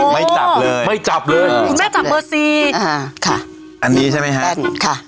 ไม่จับเลยไม่จับเลยคุณแม่จับเบอร์สี่อ่าค่ะอันนี้ใช่ไหมฮะแป้งค่ะ